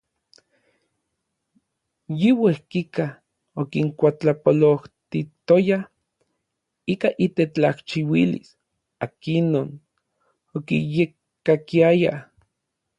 Yi uejkika okinkuatlapololtijtoya ika itetlajchiuilis, ikinon okiyekkakiayaj.